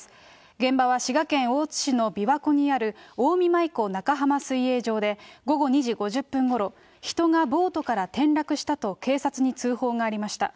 現場は滋賀県大津市の琵琶湖にあるおおみまいこなかはま水泳場で、午後２時５０分ごろ、人がボートから転落したと、警察に通報がありました。